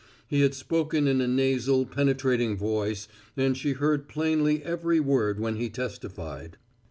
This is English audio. He had spoken in a nasal, penetrating voice and she heard plainly every word when he testified.